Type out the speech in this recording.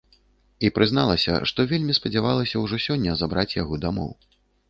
І прызналася, што вельмі спадзявалася ўжо сёння забраць яго дамоў.